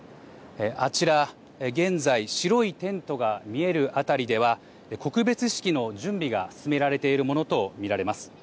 あちら現在、白いテントが見える辺りでは、告別式の準備が進められているものとみられます。